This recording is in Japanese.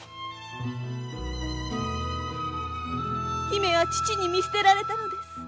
姫は父に見捨てられたのです。